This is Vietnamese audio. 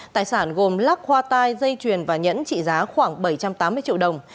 tài sản gồm lắc khoa tai dây chuyền và nhẫn trị giá khoảng bảy trăm tám mươi triệu đồng